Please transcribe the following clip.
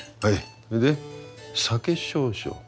それで酒少々。